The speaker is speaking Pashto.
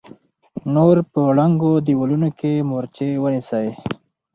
نور په ړنګو دېوالونو کې مورچې ونيسئ!